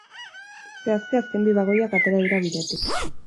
Zehazki, azken bi bagoiak atera dira bidetik.